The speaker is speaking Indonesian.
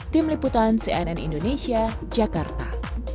tim liputan cnn indonesia jakarta